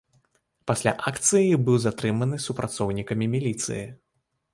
Пасля акцыі быў затрыманы супрацоўнікамі міліцыі.